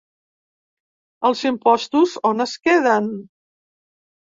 Els imposts, on es queden?